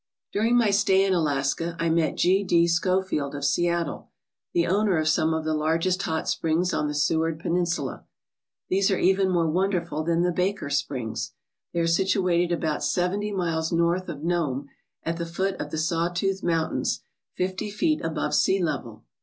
" During my stay in Alaska I met G. D. Schofield of Seattle, the owner of some of the largest hot springs on the Seward Peninsula. These are even more wonderful than the Baker Springs. They are situated about seventy miles north of Nome, at the foot of the Saw Tooth Moun tains, fifty feet above sea level.